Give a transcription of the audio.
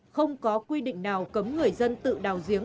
không có quy định nào cấm người dân tự đào giếng